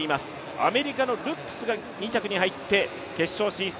アメリカのルックスが２着に入って決勝進出。